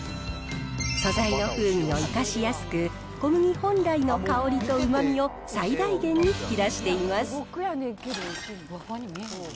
素材の風味を生かしやすく、小麦本来の香りとうまみを最大限に引き出しています。